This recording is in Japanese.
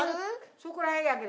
そこら辺やけど。